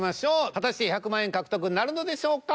果たして１００万円獲得なるのでしょうか？